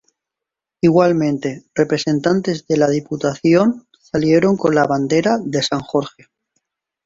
Igualmente, representantes de la diputación salieron con la bandera de san Jorge.